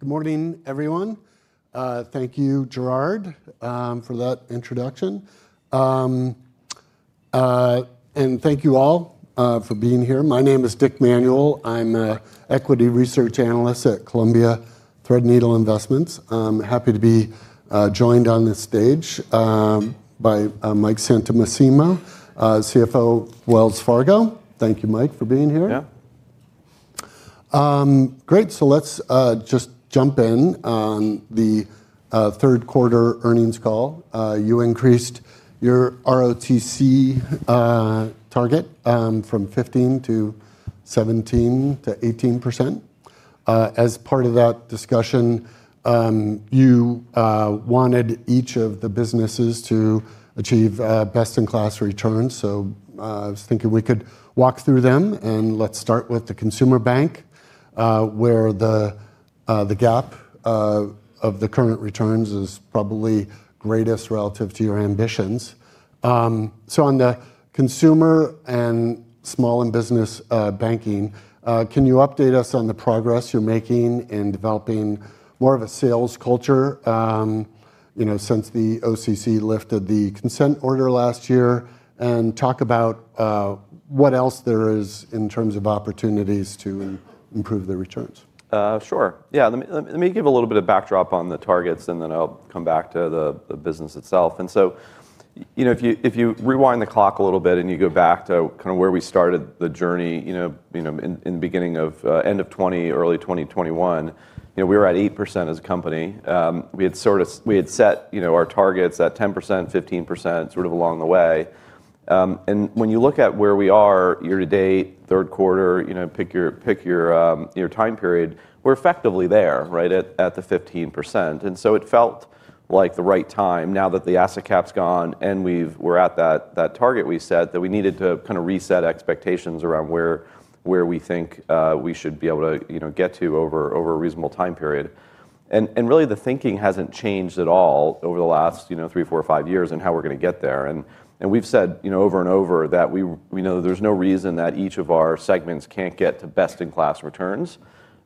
Good morning, everyone. Thank you, Gerard, for that introduction. Thank you all for being here. My name is Dick Manuel. I'm an equity research analyst at Columbia Threadneedle Investments. I'm happy to be joined on this stage by Mike Santomassimo, CFO of Wells Fargo. Thank you, Mike, for being here. Yeah. Great. Let's just jump in on the third quarter earnings call. You increased your ROTCE target from 15%-17%-18%. As part of that discussion, you wanted each of the businesses to achieve best-in-class returns. I was thinking we could walk through them. Let's start with the consumer bank, where the gap of the current returns is probably greatest relative to your ambitions. On the consumer and small and business banking, can you update us on the progress you're making in developing more of a sales culture since the OCC lifted the consent order last year? Talk about what else there is in terms of opportunities to improve the returns. Sure. Yeah. Let me give a little bit of backdrop on the targets, and then I'll come back to the business itself. If you rewind the clock a little bit and you go back to kind of where we started the journey. In the beginning of end of 2020, early 2021, we were at 8% as a company. We had set our targets at 10%, 15% sort of along the way. When you look at where we are year to date, third quarter, pick your time period, we're effectively there, right, at the 15%. It felt like the right time now that the asset cap's gone and we're at that target we set that we needed to kind of reset expectations around where we think we should be able to get to over a reasonable time period. Really, the thinking has not changed at all over the last three, four, or five years on how we are going to get there. We have said over and over that we know there is no reason that each of our segments cannot get to best-in-class returns.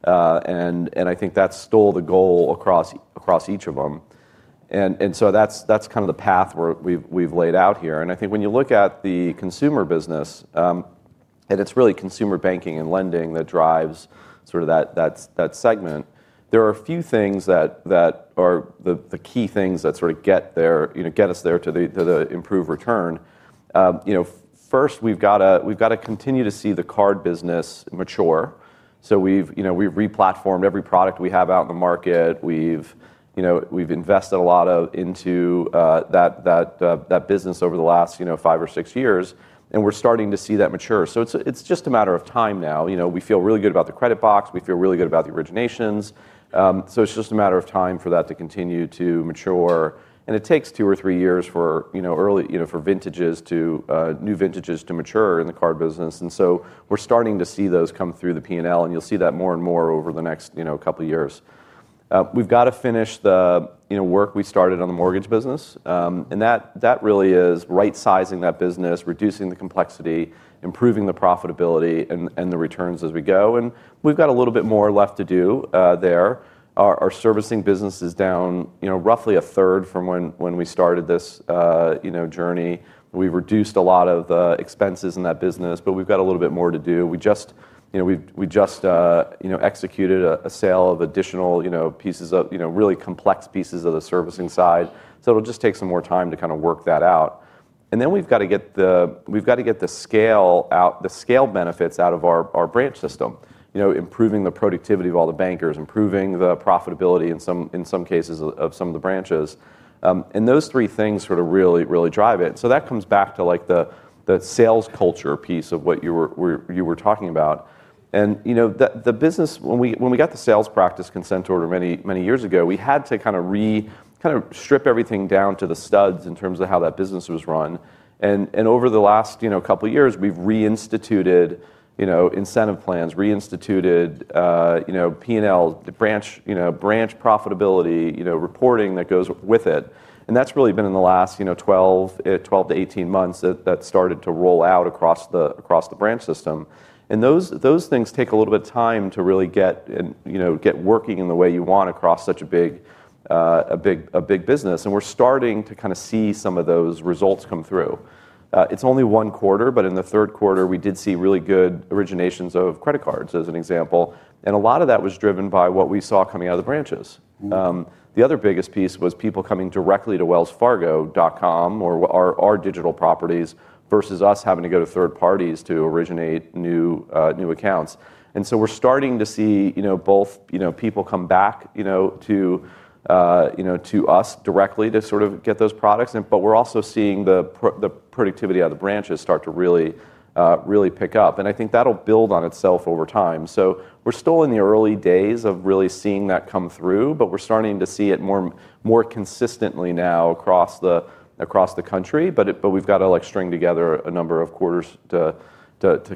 I think that is still the goal across each of them. That is kind of the path we have laid out here. I think when you look at the consumer business, it is really consumer banking and lending that drives that segment. There are a few things that are the key things that get us there to the improved return. First, we have to continue to see the card business mature. We have replatformed every product we have out in the market. We have invested a lot into that business over the last five or six years. We're starting to see that mature. It's just a matter of time now. We feel really good about the credit box. We feel really good about the originations. It's just a matter of time for that to continue to mature. It takes two or three years for new vintages to mature in the card business. We're starting to see those come through the P&L. You'll see that more and more over the next couple of years. We've got to finish the work we started on the mortgage business. That really is right-sizing that business, reducing the complexity, improving the profitability, and the returns as we go. We've got a little bit more left to do there. Our servicing business is down roughly a third from when we started this journey. We've reduced a lot of the expenses in that business, but we've got a little bit more to do. We just executed a sale of additional pieces of really complex pieces of the servicing side. It will just take some more time to kind of work that out. We have to get the scale benefits out of our branch system, improving the productivity of all the bankers, improving the profitability in some cases of some of the branches. Those three things really, really drive it. That comes back to the sales culture piece of what you were talking about. The business, when we got the sales practice consent order many years ago, we had to kind of strip everything down to the studs in terms of how that business was run. Over the last couple of years, we've reinstituted. Incentive plans, reinstituted. P&L, branch profitability reporting that goes with it. That has really been in the last 12-18 months that started to roll out across the branch system. Those things take a little bit of time to really get working in the way you want across such a big business. We are starting to kind of see some of those results come through. It is only one quarter, but in the third quarter, we did see really good originations of credit cards as an example. A lot of that was driven by what we saw coming out of the branches. The other biggest piece was people coming directly to wellsfargo.com or our digital properties versus us having to go to third parties to originate new accounts. We are starting to see both people come back to us directly to sort of get those products. We're also seeing the productivity of the branches start to really pick up. I think that'll build on itself over time. We're still in the early days of really seeing that come through, but we're starting to see it more consistently now across the country. We've got to string together a number of quarters to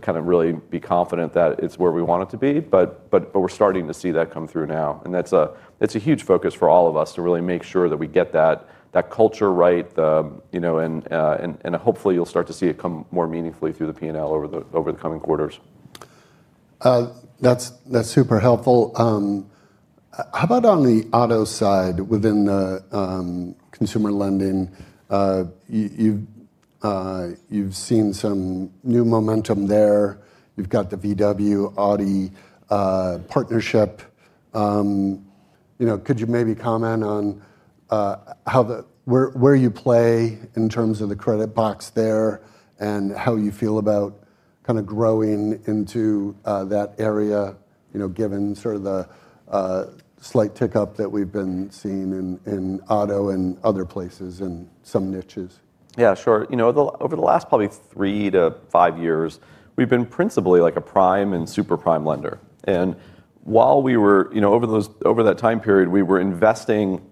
kind of really be confident that it's where we want it to be. We're starting to see that come through now. That's a huge focus for all of us to really make sure that we get that culture right. Hopefully, you'll start to see it come more meaningfully through the P&L over the coming quarters. That's super helpful. How about on the auto side within the consumer lending? You've seen some new momentum there. You've got the Volkswagen Audi partnership. Could you maybe comment on where you play in terms of the credit box there and how you feel about kind of growing into that area, given sort of the slight tick up that we've been seeing in auto and other places and some niches? Yeah, sure. Over the last probably three to five years, we've been principally like a prime and super prime lender. While we were over that time period, we were investing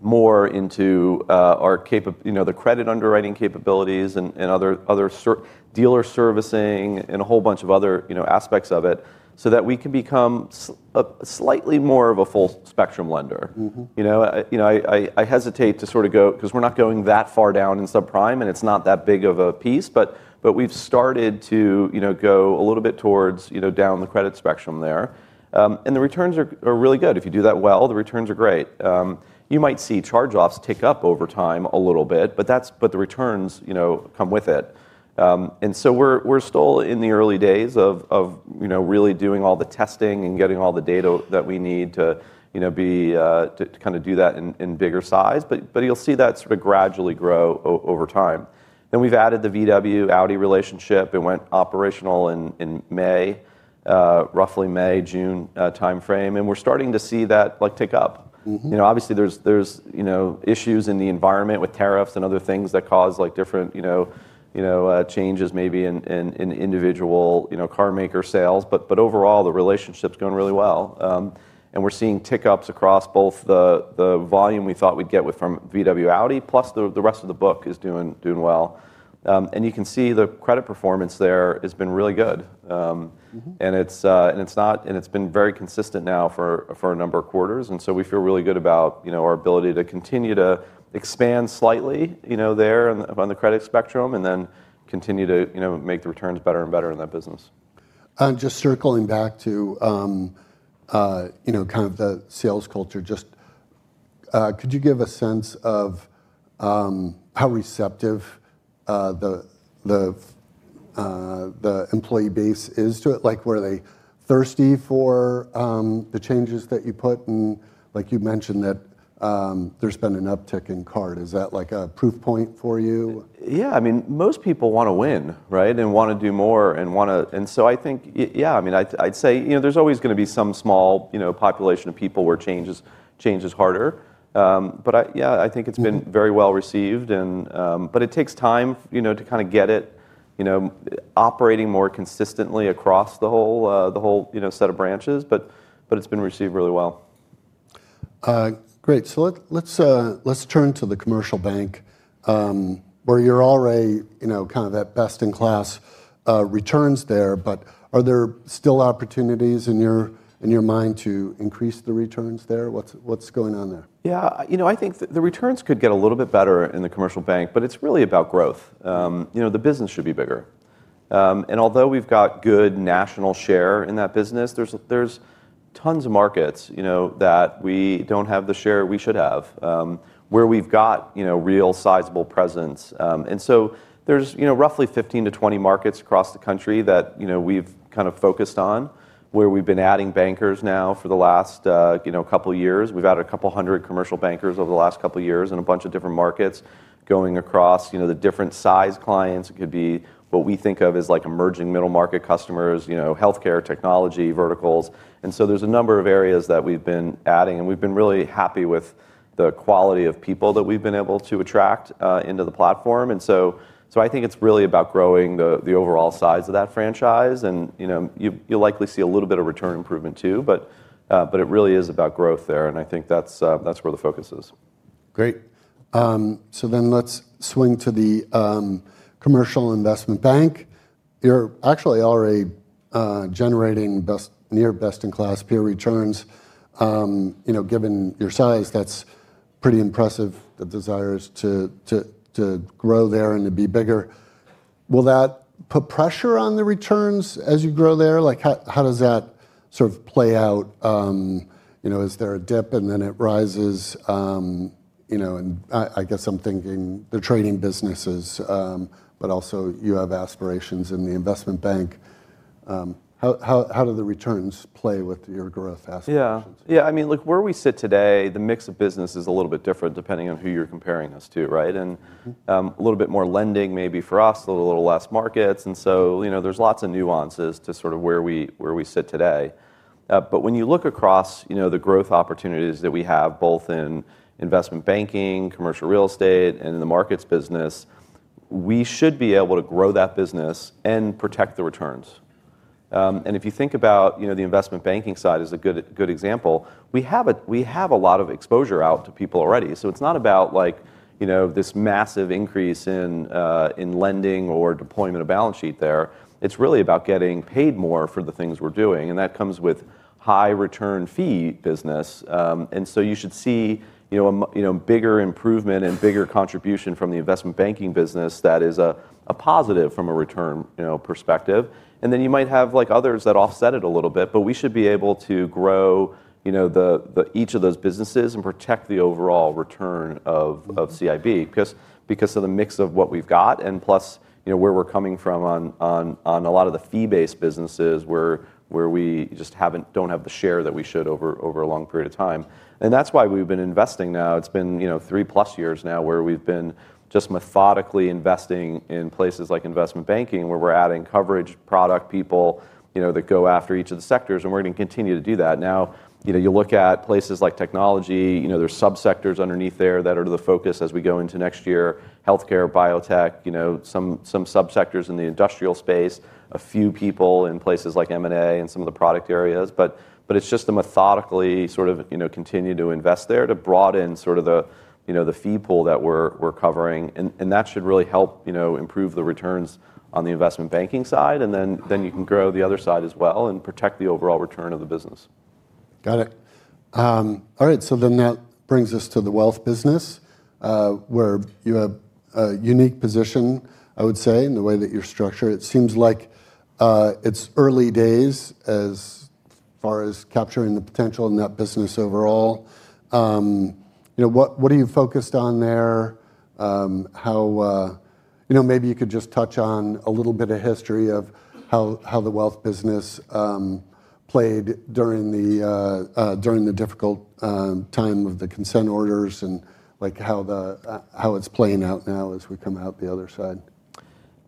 more into the credit underwriting capabilities and other dealer servicing and a whole bunch of other aspects of it so that we can become slightly more of a full spectrum lender. I hesitate to sort of go because we're not going that far down in subprime, and it's not that big of a piece. We've started to go a little bit towards down the credit spectrum there. The returns are really good. If you do that well, the returns are great. You might see charge-offs tick up over time a little bit, but the returns come with it. We're still in the early days of really doing all the testing and getting all the data that we need to kind of do that in bigger size. You'll see that sort of gradually grow over time. We've added the Volkswagen Audi relationship. It went operational in May, roughly May, June time frame, and we're starting to see that tick up. Obviously, there's issues in the environment with tariffs and other things that cause different changes maybe in individual car maker sales. Overall, the relationship's going really well, and we're seeing tick ups across both the volume we thought we'd get from Volkswagen Audi, plus the rest of the book is doing well. You can see the credit performance there has been really good, and it's been very consistent now for a number of quarters. We feel really good about our ability to continue to expand slightly there on the credit spectrum and then continue to make the returns better and better in that business. Just circling back to kind of the sales culture, just could you give a sense of how receptive the employee base is to it? Like, were they thirsty for the changes that you put? And like you mentioned that there's been an uptick in card. Is that like a proof point for you? Yeah. I mean, most people want to win, right, and want to do more and want to. I think, yeah, I mean, I'd say there's always going to be some small population of people where change is harder. Yeah, I think it's been very well received. It takes time to kind of get it operating more consistently across the whole set of branches. It's been received really well. Great. Let's turn to the commercial bank. Where you're already kind of at best-in-class returns there. Are there still opportunities in your mind to increase the returns there? What's going on there? Yeah. I think the returns could get a little bit better in the commercial bank, but it's really about growth. The business should be bigger. Although we've got good national share in that business, there's tons of markets that we don't have the share we should have, where we've got real sizable presence. There's roughly 15-20 markets across the country that we've kind of focused on, where we've been adding bankers now for the last couple of years. We've added a couple hundred commercial bankers over the last couple of years in a bunch of different markets going across the different size clients. It could be what we think of as like emerging middle market customers, healthcare, technology, verticals. There's a number of areas that we've been adding. We have been really happy with the quality of people that we have been able to attract into the platform. I think it is really about growing the overall size of that franchise. You will likely see a little bit of return improvement too. It really is about growth there. I think that is where the focus is. Great. So then let's swing to the commercial investment bank. You're actually already generating near best-in-class peer returns. Given your size, that's pretty impressive. The desire is to grow there and to be bigger. Will that put pressure on the returns as you grow there? Like, how does that sort of play out? Is there a dip and then it rises? I guess I'm thinking the trading businesses, but also you have aspirations in the investment bank. How do the returns play with your growth aspirations? Yeah. I mean, where we sit today, the mix of business is a little bit different depending on who you're comparing us to, right? And a little bit more lending maybe for us, a little less markets. There are lots of nuances to sort of where we sit today. When you look across the growth opportunities that we have, both in investment banking, commercial real estate, and in the markets business, we should be able to grow that business and protect the returns. If you think about the investment banking side as a good example, we have a lot of exposure out to people already. It is not about this massive increase in lending or deployment of balance sheet there. It is really about getting paid more for the things we're doing. That comes with high return fee business. You should see a bigger improvement and bigger contribution from the investment banking business that is a positive from a return perspective. You might have others that offset it a little bit. We should be able to grow each of those businesses and protect the overall return of CIB because of the mix of what we've got plus where we're coming from on a lot of the fee-based businesses where we just do not have the share that we should over a long period of time. That is why we've been investing now. It has been three plus years now where we've been just methodically investing in places like investment banking where we're adding coverage product people that go after each of the sectors. We are going to continue to do that. Now, you look at places like technology, there are subsectors underneath there that are the focus as we go into next year, healthcare, biotech, some subsectors in the industrial space, a few people in places like M&A and some of the product areas. It is just to methodically sort of continue to invest there to broaden sort of the fee pool that we are covering. That should really help improve the returns on the investment banking side. You can grow the other side as well and protect the overall return of the business. Got it. All right. That brings us to the wealth business, where you have a unique position, I would say, in the way that you're structured. It seems like it's early days as far as capturing the potential in that business overall. What are you focused on there? Maybe you could just touch on a little bit of history of how the wealth business played during the difficult time of the consent orders and how it's playing out now as we come out the other side.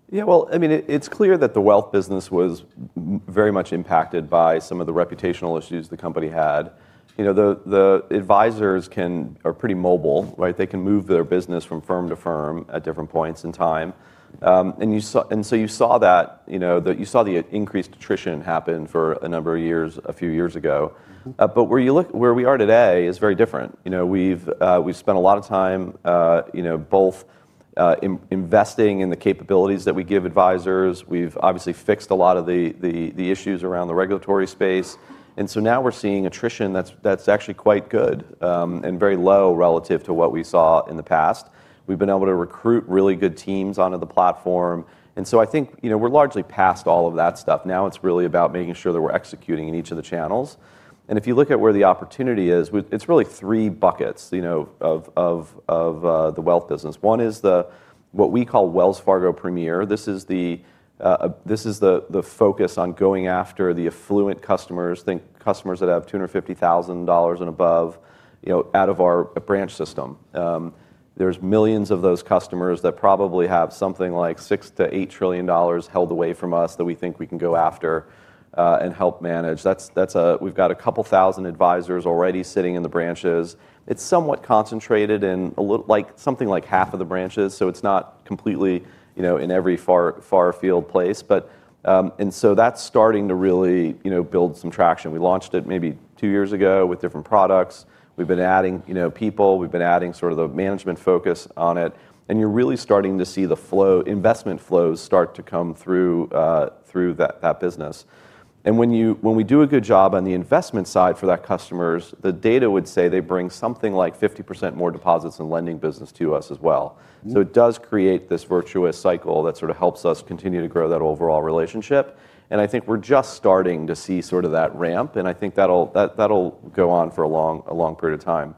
Yeah. I mean, it's clear that the wealth business was very much impacted by some of the reputational issues the company had. The advisors are pretty mobile, right? They can move their business from firm to firm at different points in time. You saw that. You saw the increased attrition happen for a number of years a few years ago. Where we are today is very different. We've spent a lot of time investing in the capabilities that we give advisors. We've obviously fixed a lot of the issues around the regulatory space. Now we're seeing attrition that's actually quite good and very low relative to what we saw in the past. We've been able to recruit really good teams onto the platform. I think we're largely past all of that stuff. Now it's really about making sure that we're executing in each of the channels. If you look at where the opportunity is, it's really three buckets of the wealth business. One is what we call Wells Fargo Premier. This is the focus on going after the affluent customers, customers that have $250,000 and above out of our branch system. There are millions of those customers that probably have something like $6 trillion-$8 trillion held away from us that we think we can go after and help manage. We've got a couple thousand advisors already sitting in the branches. It's somewhat concentrated in something like half of the branches, so it's not completely in every far field place. That's starting to really build some traction. We launched it maybe two years ago with different products. We've been adding people. We've been adding sort of the management focus on it. You're really starting to see the investment flows start to come through that business. When we do a good job on the investment side for that customers, the data would say they bring something like 50% more deposits in lending business to us as well. It does create this virtuous cycle that sort of helps us continue to grow that overall relationship. I think we're just starting to see sort of that ramp. I think that'll go on for a long period of time.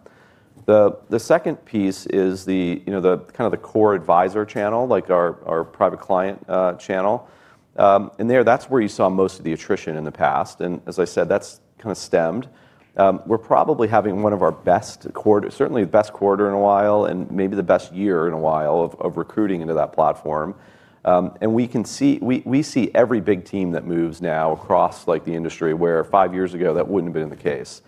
The second piece is kind of the core advisor channel, like our private client channel. There, that's where you saw most of the attrition in the past. As I said, that's kind of stemmed. We're probably having one of our best, certainly the best quarter in a while and maybe the best year in a while of recruiting into that platform. We see every big team that moves now across the industry where five years ago, that wouldn't have been the case.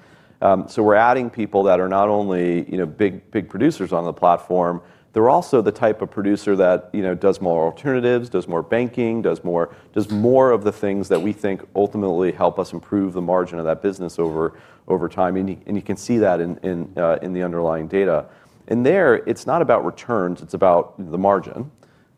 We're adding people that are not only big producers on the platform, they're also the type of producer that does more alternatives, does more banking, does more of the things that we think ultimately help us improve the margin of that business over time. You can see that in the underlying data. There, it's not about returns. It's about the margin.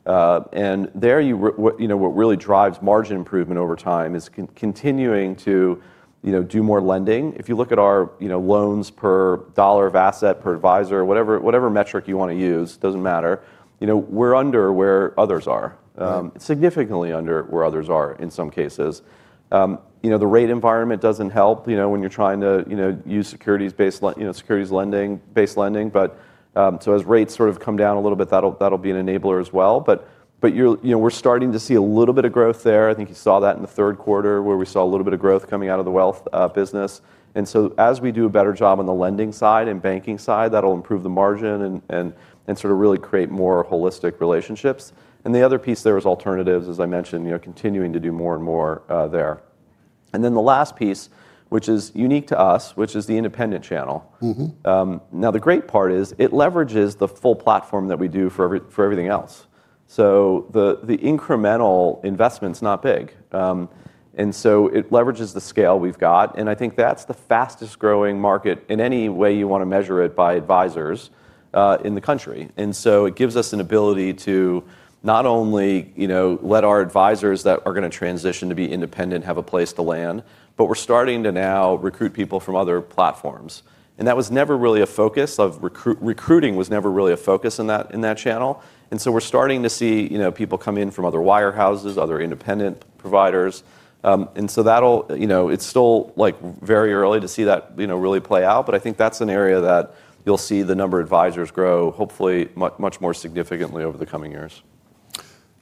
There, what really drives margin improvement over time is continuing to do more lending. If you look at our loans per dollar of asset per advisor, whatever metric you want to use, it doesn't matter. We're under where others are, significantly under where others are in some cases. The rate environment does not help when you're trying to use securities-based lending. As rates sort of come down a little bit, that will be an enabler as well. We're starting to see a little bit of growth there. I think you saw that in the third quarter where we saw a little bit of growth coming out of the wealth business. As we do a better job on the lending side and banking side, that will improve the margin and really create more holistic relationships. The other piece there is alternatives, as I mentioned, continuing to do more and more there. The last piece, which is unique to us, is the independent channel. Now, the great part is it leverages the full platform that we do for everything else. The incremental investment's not big. It leverages the scale we've got. I think that's the fastest growing market in any way you want to measure it by advisors in the country. It gives us an ability to not only let our advisors that are going to transition to be independent have a place to land, but we're starting to now recruit people from other platforms. That was never really a focus of recruiting. Recruiting was never really a focus in that channel. We're starting to see people come in from other wirehouses, other independent providers. It is still very early to see that really play out. I think that's an area that you'll see the number of advisors grow, hopefully, much more significantly over the coming years.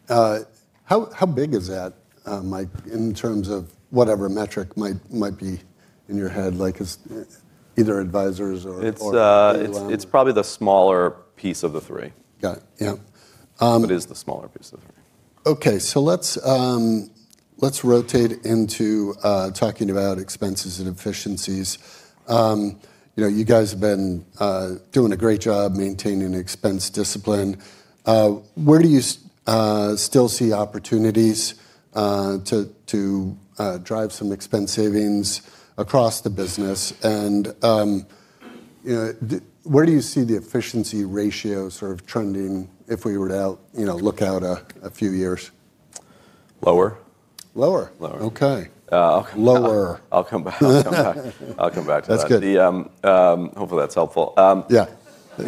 How big is that, Mike, in terms of whatever metric might be in your head, like either advisors or? It's probably the smaller piece of the three. Got it. Yeah. It is the smaller piece of the three. Okay. Let's rotate into talking about expenses and efficiencies. You guys have been doing a great job maintaining expense discipline. Where do you still see opportunities to drive some expense savings across the business? Where do you see the efficiency ratio sort of trending if we were to look out a few years? Lower. Lower? Lower. Okay. Lower. I'll come back to that. That's good. Hopefully, that's helpful. Yeah. Look,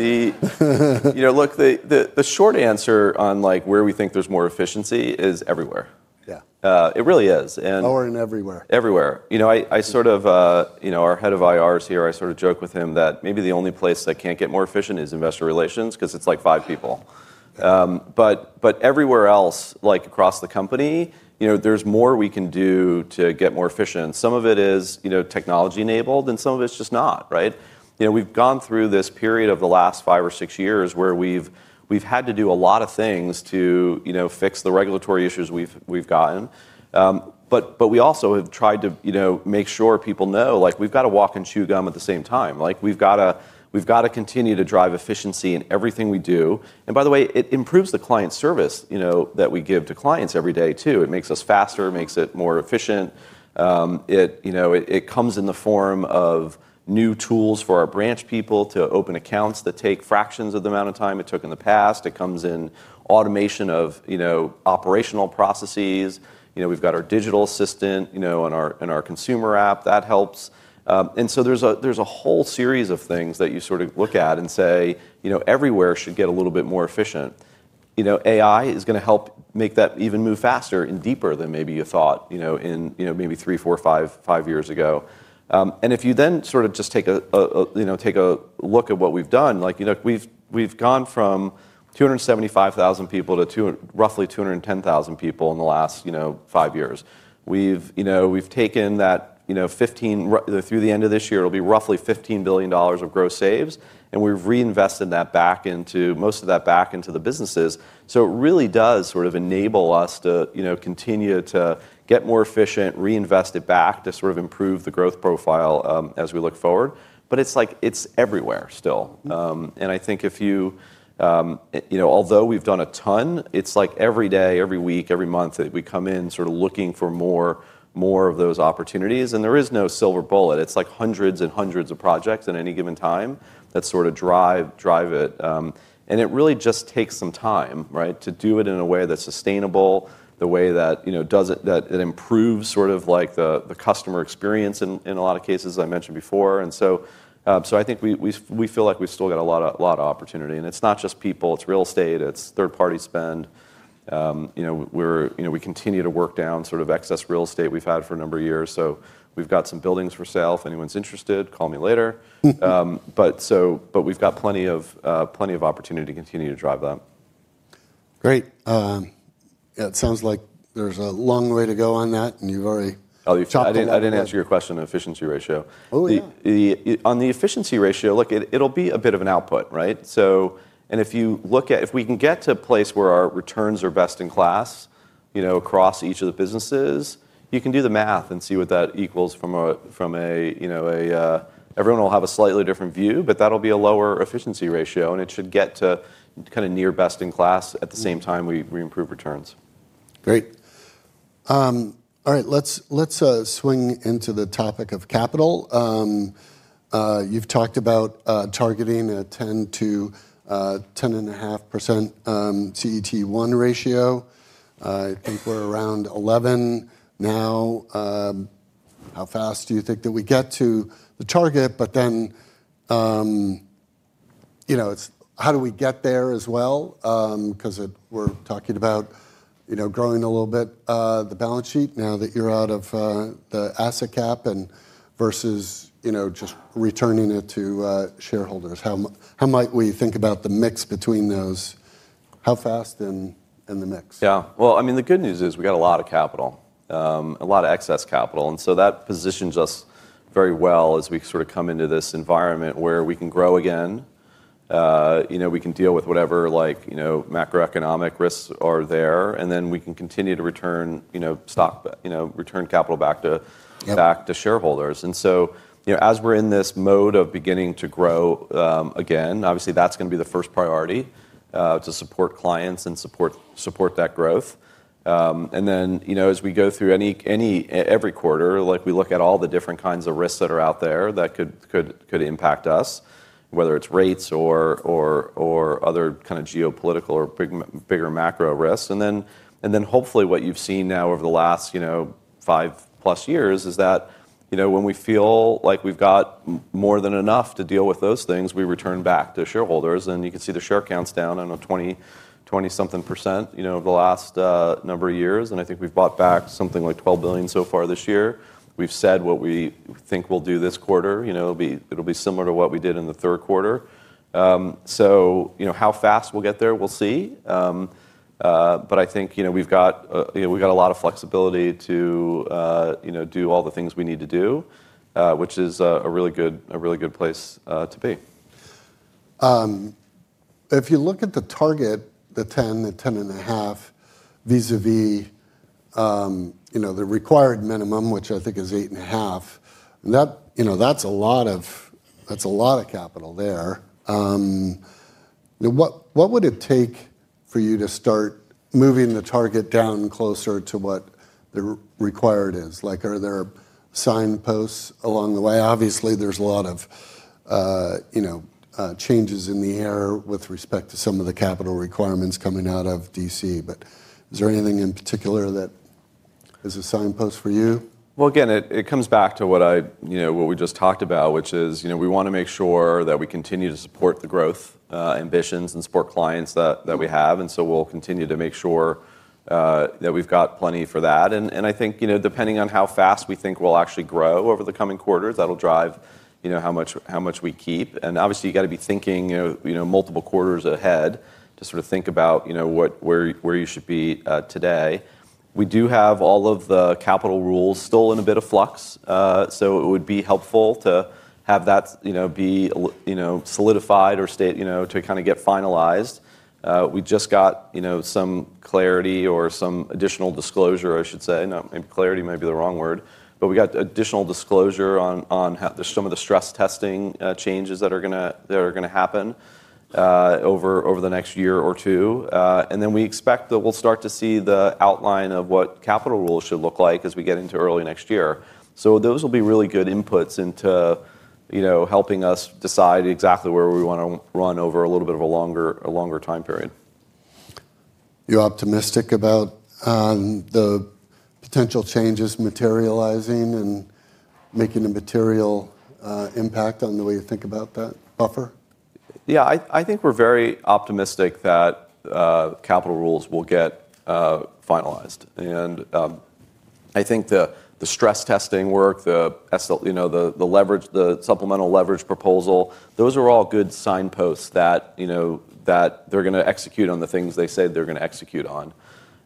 the short answer on where we think there's more efficiency is everywhere. Yeah. It really is. Lower and everywhere. Everywhere. I sort of, our head of IR is here, I sort of joke with him that maybe the only place I can't get more efficient is investor relations because it's like five people. Everywhere else, like across the company, there's more we can do to get more efficient. Some of it is technology-enabled, and some of it's just not, right? We've gone through this period of the last five or six years where we've had to do a lot of things to fix the regulatory issues we've gotten. We also have tried to make sure people know we've got to walk and chew gum at the same time. We've got to continue to drive efficiency in everything we do. By the way, it improves the client service that we give to clients every day too. It makes us faster. It makes it more efficient. It comes in the form of new tools for our branch people to open accounts that take fractions of the amount of time it took in the past. It comes in automation of operational processes. We've got our digital assistant on our consumer app that helps. There is a whole series of things that you sort of look at and say, "Everywhere should get a little bit more efficient." AI is going to help make that even move faster and deeper than maybe you thought maybe three, four, five years ago. If you then sort of just take a look at what we've done, we've gone from 275,000 people to roughly 210,000 people in the last five years. We've taken that. Through the end of this year, it'll be roughly $15 billion of gross saves. We've reinvested that back into, most of that back into the businesses. It really does sort of enable us to continue to get more efficient, reinvest it back to sort of improve the growth profile as we look forward. It's everywhere still. I think if you, although we've done a ton, it's like every day, every week, every month that we come in sort of looking for more of those opportunities. There is no silver bullet. It's like hundreds and hundreds of projects at any given time that sort of drive it. It really just takes some time, right, to do it in a way that's sustainable, the way that it improves sort of like the customer experience in a lot of cases I mentioned before. I think we feel like we've still got a lot of opportunity. It's not just people. It's real estate. It's third-party spend. We continue to work down sort of excess real estate we've had for a number of years. We have some buildings for sale. If anyone's interested, call me later. We have plenty of opportunity to continue to drive that. Great. It sounds like there's a long way to go on that, and you've already talked about it. I didn't answer your question on efficiency ratio. Oh, yeah. On the efficiency ratio, look, it'll be a bit of an output, right? If you look at, if we can get to a place where our returns are best in class across each of the businesses, you can do the math and see what that equals from a. Everyone will have a slightly different view, but that'll be a lower efficiency ratio. It should get to kind of near best in class at the same time we improve returns. Great. All right. Let's swing into the topic of capital. You've talked about targeting a 10%-10.5% CET1 ratio. I think we're around 11% now. How fast do you think that we get to the target? How do we get there as well? Because we're talking about growing a little bit the balance sheet now that you're out of the asset cap versus just returning it to shareholders. How might we think about the mix between those? How fast in the mix? Yeah. I mean, the good news is we got a lot of capital, a lot of excess capital. That positions us very well as we sort of come into this environment where we can grow again. We can deal with whatever macroeconomic risks are there. We can continue to return capital back to shareholders. As we're in this mode of beginning to grow again, obviously, that's going to be the first priority to support clients and support that growth. As we go through every quarter, we look at all the different kinds of risks that are out there that could impact us, whether it's rates or other kind of geopolitical or bigger macro risks. Hopefully what you've seen now over the last 5+ years is that when we feel like we've got more than enough to deal with those things, we return back to shareholders. You can see the share count's down on a 20-something percent over the last number of years. I think we've bought back something like $12 billion so far this year. We've said what we think we'll do this quarter. It'll be similar to what we did in the third quarter. How fast we'll get there, we'll see. I think we've got a lot of flexibility to do all the things we need to do, which is a really good place to be. If you look at the target, the 10, the 10.5 vis-à-vis the required minimum, which I think is 8 and a half, that's a lot of capital there. What would it take for you to start moving the target down closer to what the required is? Are there signposts along the way? Obviously, there's a lot of changes in the air with respect to some of the capital requirements coming out of D.C. Is there anything in particular that is a signpost for you? It comes back to what we just talked about, which is we want to make sure that we continue to support the growth ambitions and support clients that we have. We will continue to make sure that we have plenty for that. I think depending on how fast we think we will actually grow over the coming quarters, that will drive how much we keep. Obviously, you have to be thinking multiple quarters ahead to sort of think about where you should be today. We do have all of the capital rules still in a bit of flux. It would be helpful to have that be solidified or to kind of get finalized. We just got some clarity or some additional disclosure, I should say. Clarity may be the wrong word. We got additional disclosure on some of the stress testing changes that are going to happen over the next year or two. We expect that we'll start to see the outline of what capital rules should look like as we get into early next year. Those will be really good inputs into helping us decide exactly where we want to run over a little bit of a longer time period. You're optimistic about the potential changes materializing and making a material impact on the way you think about that buffer? Yeah. I think we're very optimistic that capital rules will get finalized. I think the stress testing work, the supplemental leverage proposal, those are all good signposts that they're going to execute on the things they say they're going to execute on.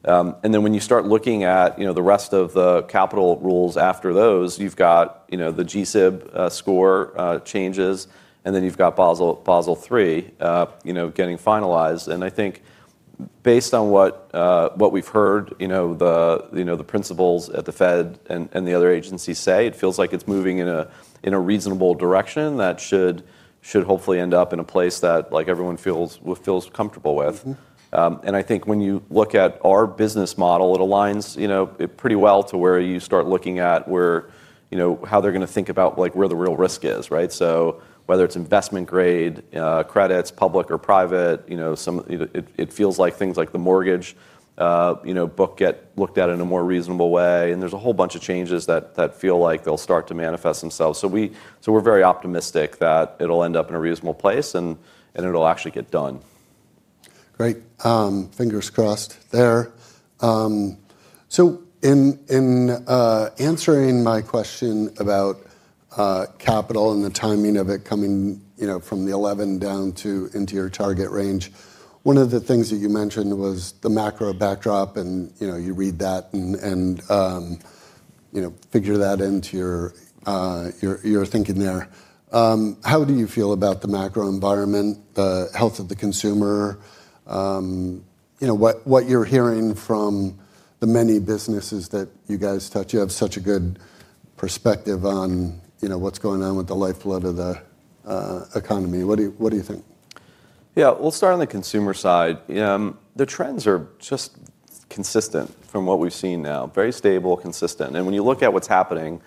When you start looking at the rest of the capital rules after those, you've got the GSIB score changes. You've got Basel III getting finalized. I think, based on what we've heard, the principals at the Fed and the other agencies say, it feels like it's moving in a reasonable direction that should hopefully end up in a place that everyone feels comfortable with. I think when you look at our business model, it aligns pretty well to where you start looking at how they're going to think about where the real risk is, right? Whether it's investment grade, credits, public or private, it feels like things like the mortgage book get looked at in a more reasonable way. There is a whole bunch of changes that feel like they'll start to manifest themselves. We are very optimistic that it'll end up in a reasonable place and it'll actually get done. Great. Fingers crossed there. In answering my question about capital and the timing of it coming from the 11 down into your target range, one of the things that you mentioned was the macro backdrop. You read that and figured that into your thinking there. How do you feel about the macro environment, the health of the consumer? What you're hearing from the many businesses that you guys touch? You have such a good perspective on what's going on with the lifeblood of the economy. What do you think? Yeah. We'll start on the consumer side. The trends are just consistent from what we've seen now. Very stable, consistent. When you look at what's happening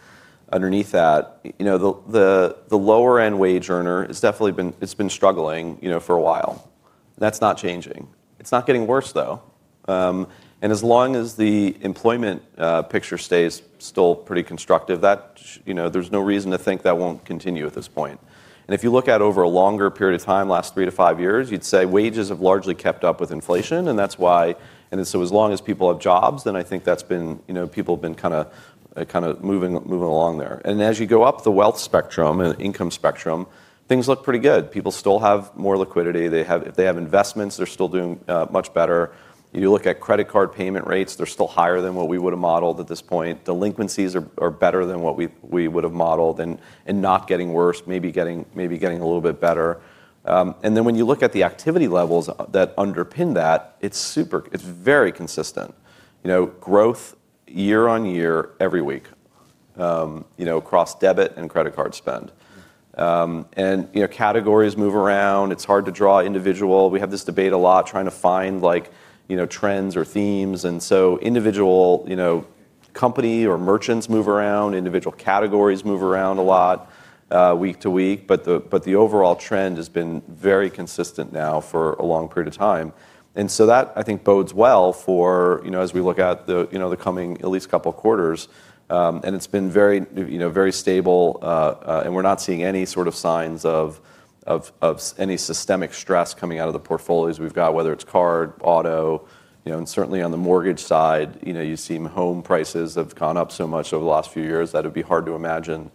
underneath that, the lower-end wage earner has definitely been struggling for a while. That's not changing. It's not getting worse, though. As long as the employment picture stays still pretty constructive, there's no reason to think that won't continue at this point. If you look at over a longer period of time, last three to five years, you'd say wages have largely kept up with inflation. As long as people have jobs, then I think that's been, people have been kind of moving along there. As you go up the wealth spectrum and income spectrum, things look pretty good. People still have more liquidity. If they have investments, they're still doing much better. You look at credit card payment rates, they're still higher than what we would have modeled at this point. Delinquencies are better than what we would have modeled and not getting worse, maybe getting a little bit better. When you look at the activity levels that underpin that, it's very consistent. Growth year on year, every week, across debit and credit card spend. Categories move around. It's hard to draw individual trends or themes. Individual company or merchants move around. Individual categories move around a lot week to week. The overall trend has been very consistent now for a long period of time. That, I think, bodes well for as we look at the coming at least couple of quarters. It's been very stable. We're not seeing any sort of signs of any systemic stress coming out of the portfolios we've got, whether it's card, auto. Certainly on the mortgage side, you see home prices have gone up so much over the last few years that it'd be hard to imagine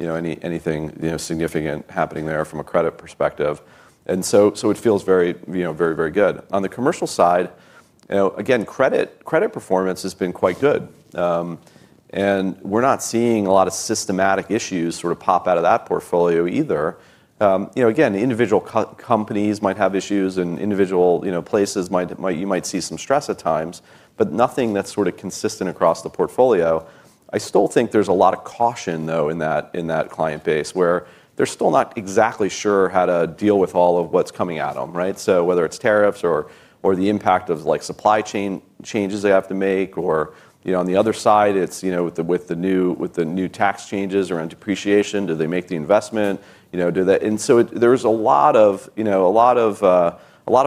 anything significant happening there from a credit perspective. It feels very, very good. On the commercial side, again, credit performance has been quite good. We're not seeing a lot of systematic issues sort of pop out of that portfolio either. Individual companies might have issues and individual places you might see some stress at times, but nothing that's sort of consistent across the portfolio. I still think there's a lot of caution, though, in that client base where they're still not exactly sure how to deal with all of what's coming at them, right? Whether it's tariffs or the impact of supply chain changes they have to make, or on the other side, it's with the new tax changes or in depreciation, do they make the investment? There are a lot of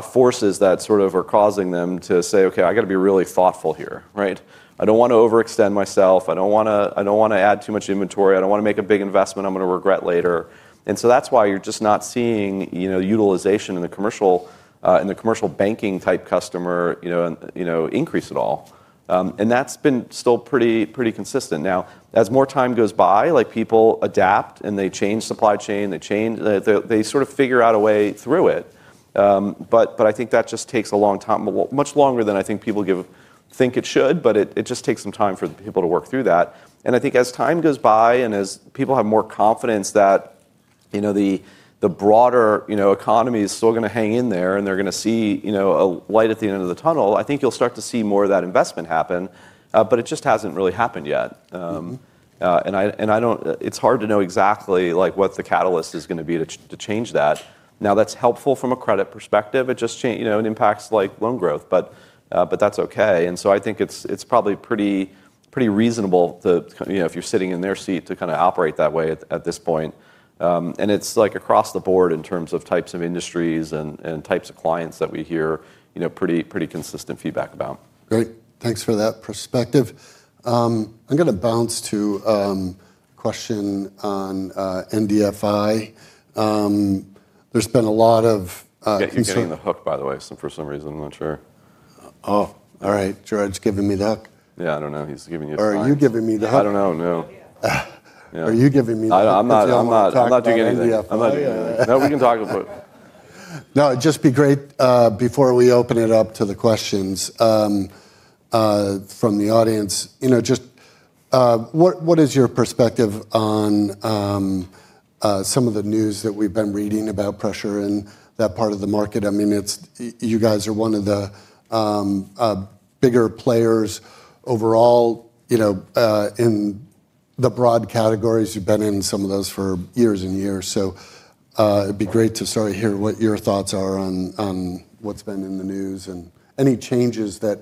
forces that sort of are causing them to say, "Okay, I got to be really thoughtful here," right? I don't want to overextend myself. I don't want to add too much inventory. I don't want to make a big investment I'm going to regret later. That is why you're just not seeing utilization in the commercial banking type customer increase at all. That has been still pretty consistent. Now, as more time goes by, people adapt and they change supply chain. They sort of figure out a way through it. I think that just takes a long time, much longer than I think people think it should, but it just takes some time for people to work through that. I think as time goes by and as people have more confidence that the broader economy is still going to hang in there and they're going to see a light at the end of the tunnel, I think you'll start to see more of that investment happen. It just hasn't really happened yet. It's hard to know exactly what the catalyst is going to be to change that. That's helpful from a credit perspective. It impacts loan growth, but that's okay. I think it's probably pretty reasonable if you're sitting in their seat to kind of operate that way at this point. It's like across the board in terms of types of industries and types of clients that we hear pretty consistent feedback about. Great. Thanks for that perspective. I'm going to bounce to a question on NBFI. There's been a lot of. Yeah, he's getting the hook, by the way, for some reason. I'm not sure. Oh, all right. George giving me the hook. Yeah, I don't know. He's giving you the hook. Are you giving me the hook? I don't know, no. Are you giving me the hook? I'm not doing anything. No, we can talk about it. No, it'd just be great before we open it up to the questions from the audience. Just what is your perspective on some of the news that we've been reading about pressure in that part of the market? I mean, you guys are one of the bigger players overall in the broad categories. You've been in some of those for years and years. It'd be great to sort of hear what your thoughts are on what's been in the news and any changes that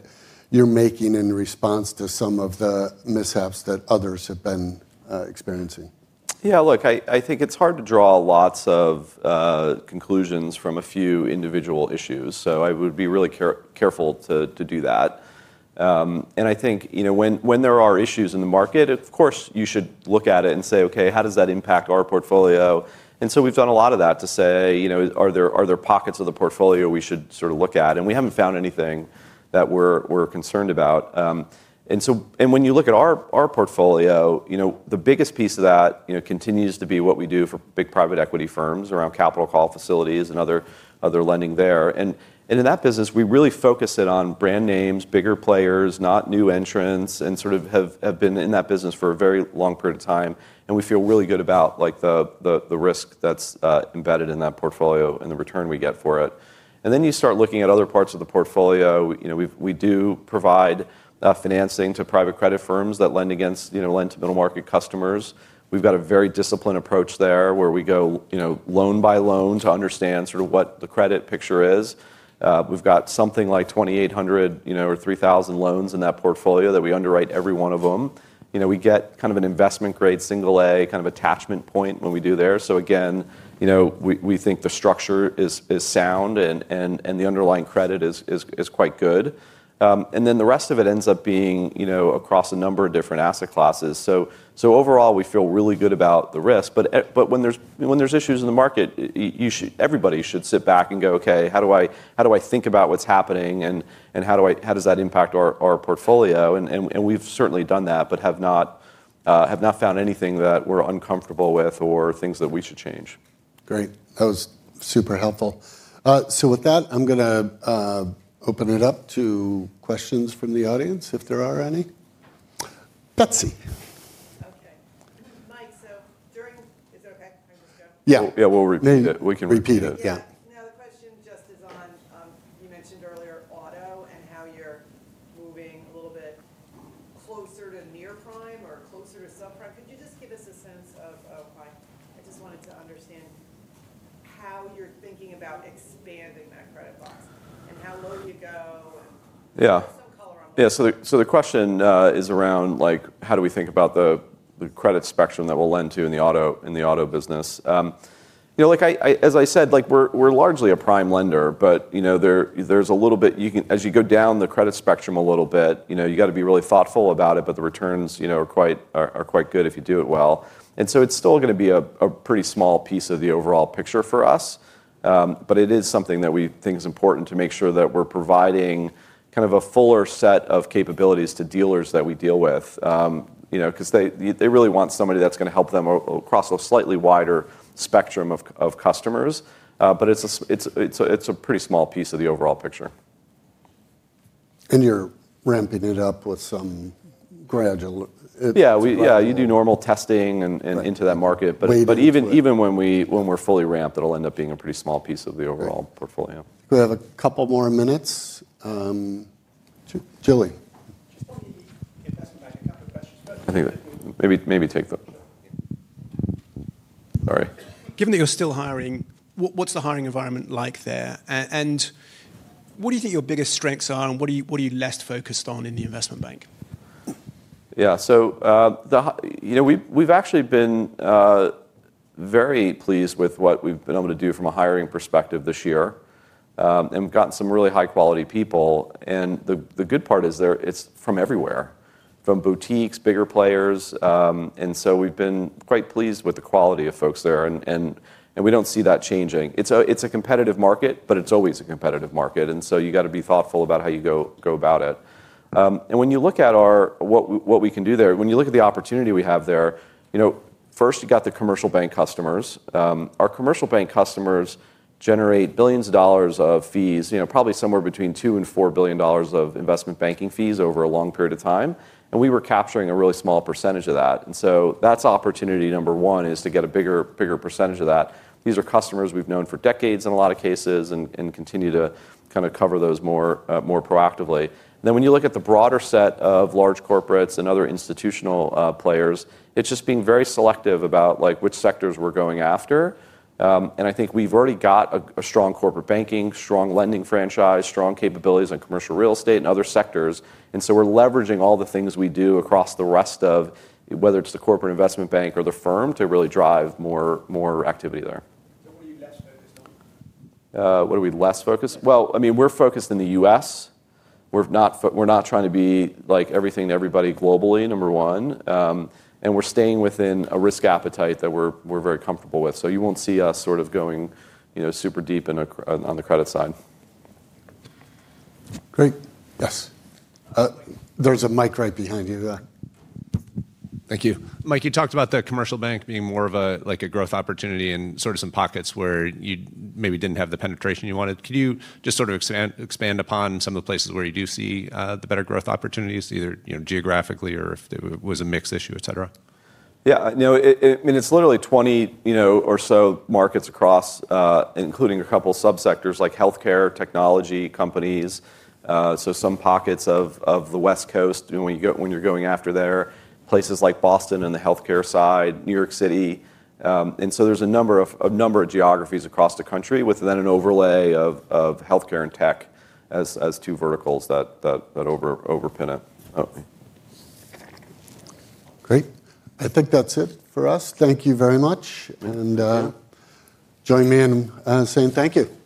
you're making in response to some of the mishaps that others have been experiencing. Yeah, look, I think it's hard to draw lots of conclusions from a few individual issues. I would be really careful to do that. I think when there are issues in the market, of course, you should look at it and say, "Okay, how does that impact our portfolio?" We've done a lot of that to say, "Are there pockets of the portfolio we should sort of look at?" We haven't found anything that we're concerned about. When you look at our portfolio, the biggest piece of that continues to be what we do for big private equity firms around capital call facilities and other lending there. In that business, we really focus it on brand names, bigger players, not new entrants, and sort of have been in that business for a very long period of time. We feel really good about the risk that's embedded in that portfolio and the return we get for it. You start looking at other parts of the portfolio. We do provide financing to private credit firms that lend to middle-market customers. We've got a very disciplined approach there where we go loan by loan to understand sort of what the credit picture is. We've got something like 2,800 or 3,000 loans in that portfolio that we underwrite every one of them. We get kind of an investment grade, single-A kind of attachment point when we do there. Again, we think the structure is sound and the underlying credit is quite good. The rest of it ends up being across a number of different asset classes. Overall, we feel really good about the risk. When there's issues in the market. Everybody should sit back and go, "Okay, how do I think about what's happening and how does that impact our portfolio?" We've certainly done that, but have not found anything that we're uncomfortable with or things that we should change. Great. That was super helpful. With that, I'm going to open it up to questions from the audience if there are any. Betsy. Okay. Mike, so during. Is it okay if I just go? Yeah, we'll repeat it. We can repeat it. Now, the question just is on, you mentioned earlier auto and how you're moving a little bit closer to near prime or closer to subprime. Could you just give us a sense of, oh my, I just wanted to understand how you're thinking about expanding that credit box and how low do you go. Yeah. Give us some color on that. Yeah. The question is around how do we think about the credit spectrum that we'll lend to in the auto business? As I said, we're largely a prime lender, but there's a little bit, as you go down the credit spectrum a little bit, you got to be really thoughtful about it, but the returns are quite good if you do it well. It is still going to be a pretty small piece of the overall picture for us. It is something that we think is important to make sure that we're providing kind of a fuller set of capabilities to dealers that we deal with, because they really want somebody that's going to help them across a slightly wider spectrum of customers. It is a pretty small piece of the overall picture. You're ramping it up with some gradual. Yeah, yeah, you do normal testing and into that market. Even when we're fully ramped, it'll end up being a pretty small piece of the overall portfolio. We have a couple more minutes. Jillian. I think maybe take the. Sorry. Given that you're still hiring, what's the hiring environment like there? What do you think your biggest strengths are and what are you less focused on in the investment bank? Yeah. We've actually been very pleased with what we've been able to do from a hiring perspective this year. We've gotten some really high-quality people. The good part is it's from everywhere, from boutiques, bigger players. We've been quite pleased with the quality of folks there. We don't see that changing. It's a competitive market, but it's always a competitive market. You got to be thoughtful about how you go about it. When you look at what we can do there, when you look at the opportunity we have there, first, you got the commercial bank customers. Our commercial bank customers generate billions of dollars of fees, probably somewhere between $2 billion and $4 billion of investment banking fees over a long period of time. We were capturing a really small percentage of that. That is opportunity number one, to get a bigger percentage of that. These are customers we have known for decades in a lot of cases and continue to kind of cover those more proactively. When you look at the broader set of large corporates and other institutional players, it is just being very selective about which sectors we are going after. I think we have already got a strong corporate banking, strong lending franchise, strong capabilities in commercial real estate and other sectors. We are leveraging all the things we do across the rest of, whether it is the corporate investment bank or the firm, to really drive more activity there. What are you less focused on? What are we less focused? I mean, we're focused in the U.S. We're not trying to be like everything to everybody globally, number one. And we're staying within a risk appetite that we're very comfortable with. So you won't see us sort of going super deep on the credit side. Great. Yes. There's a mic right behind you. Thank you. Mike, you talked about the commercial bank being more of a growth opportunity and sort of some pockets where you maybe did not have the penetration you wanted. Could you just sort of expand upon some of the places where you do see the better growth opportunities, either geographically or if it was a mix issue, et cetera? Yeah. I mean, it's literally 20 or so markets across, including a couple of subsectors like healthcare, technology companies. Some pockets of the West Coast when you're going after there, places like Boston and the healthcare side, New York City. There are a number of geographies across the country with then an overlay of healthcare and tech as two verticals that overpin it. Great. I think that's it for us. Thank you very much. Join me in saying thank you.